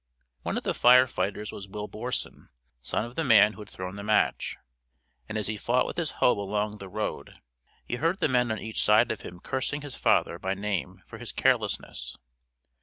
One of the fire fighters was Will Borson, son of the man who had thrown the match, and as he fought with his hoe along the road he heard the men on each side of him cursing his father by name for his carelessness.